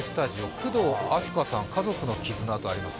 工藤阿須加さん、家族の絆とあります。